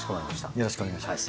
よろしくお願いします。